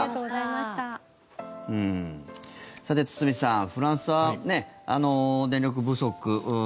堤さん、フランスは電力不足